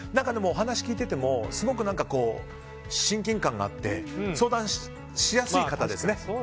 お話聞いててもすごく親近感があって相談しやすい方ですね。